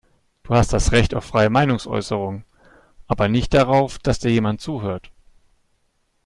Du hast das Recht auf freie Meinungsäußerung, aber nicht darauf, dass dir jemand zuhört.